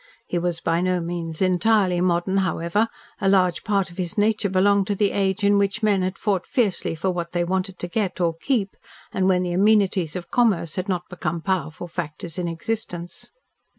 He was by no means entirely modern, however; a large part of his nature belonged to the age in which men had fought fiercely for what they wanted to get or keep, and when the amenities of commerce had not become powerful factors in existence.